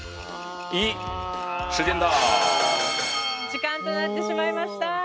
時間となってしまいました。